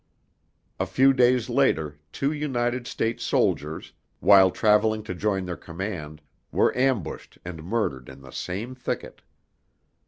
A few days later, two United States soldiers, while traveling to join their command, were ambushed and murdered in the same thicket.